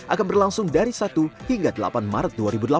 akan berlangsung dari satu hingga delapan maret dua ribu delapan belas